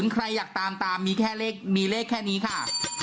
๑๐ใครอยากตามมีเลขแค่นี้ค่ะ